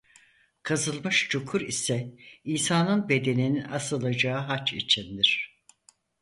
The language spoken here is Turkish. Kazılmış çukur ise İsa'nın bedeninin asılacağı haç içindir.